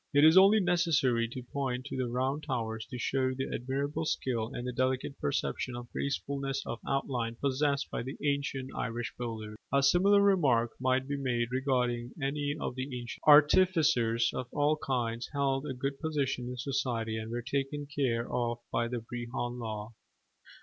It is only necessary to point to the round towers to show the admirable skill and the delicate perception of gracefulness of outline possessed by the ancient Irish builders. A similar remark might be made regarding many of the ancient churches. Artificers of all kinds held a good position in society and were taken care of by the Brehon Law.